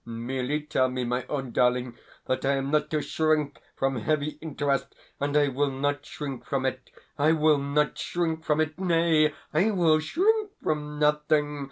Merely tell me, my own darling, that I am not to shrink from heavy interest, and I will not shrink from it, I will not shrink from it nay, I will shrink from nothing.